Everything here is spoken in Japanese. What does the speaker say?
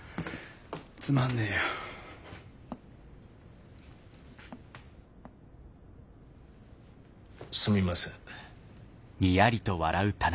つまんねえよ。すみません。